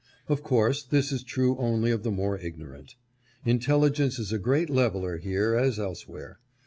Of course this is true only of the more ignor ant. Intelligence is a great leveler here as elsewhere.